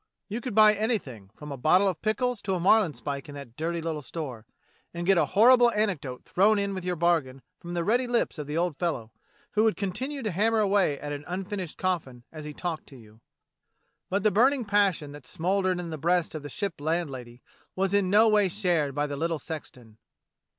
You could buy anything, from a 10 DOCTOR SYN bottle of pickles to a marlin spike in that dirty little store, and get a horrible anecdote thrown in with your bargain from the ready lips of the old fellow, who would continue to hammer away at an unfinished coflSn as he talked to you. But the burning passion that smouldered in the breast of the Ship landlady was in no way shared by the little sexton.